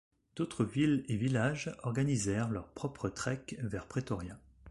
D’autres villes et villages organisèrent leur propre trek vers Pretoria.